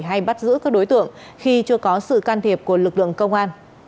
hay bắt giữ các đối tượng khi chưa có sự can thiệp của lực lượng công an